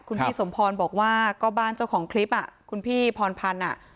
คุณพี่สมพรบอกว่าก็บ้านเจ้าของคลิปอ่ะคุณพี่พรพันธ์อ่ะ